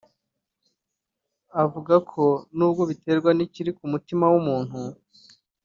Avuga ko nubwo biterwa n’ikiri ku mutima w’umuntu